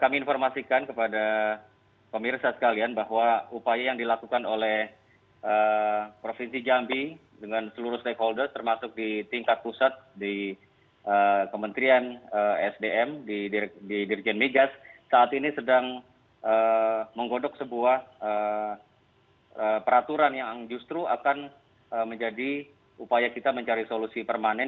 kami informasikan kepada pemirsa sekalian bahwa upaya yang dilakukan oleh provinsi jambi dengan seluruh stakeholder termasuk di tingkat pusat di kementerian sdm di dirjen megas saat ini sedang menggodok sebuah peraturan yang justru akan menjadi upaya kita mencari solusi permanen